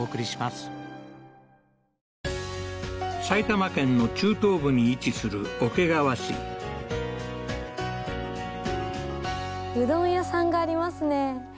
埼玉県の中東部に位置する桶川市うどん屋さんがありますね